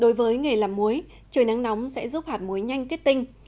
đối với nghề làm muối trời nắng nóng sẽ giúp hạt muối nhanh kết tinh